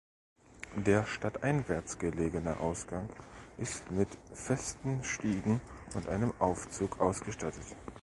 Der stadteinwärts gelegene Ausgang ist mit festen Stiegen und einem Aufzug ausgestattet.